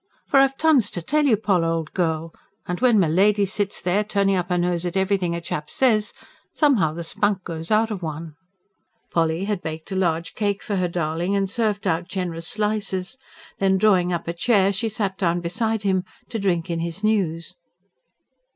"For I've tons to tell you, Poll old girl. And when milady sits there turning up her nose at everything a chap says, somehow the spunk goes out of one." Polly had baked a large cake for her darling, and served out generous slices. Then, drawing up a chair she sat down beside him, to drink in his news.